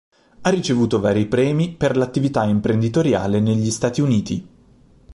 Ha ricevuto vari premi per l'attività imprenditoriale negli Stati Uniti.